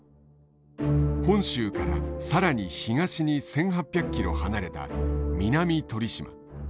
本州から更に東に１，８００キロ離れた南鳥島。